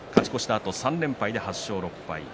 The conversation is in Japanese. あと３連敗で８勝６敗。